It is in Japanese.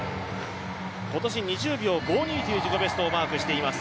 今年２０秒５２という自己ベストをマークしています。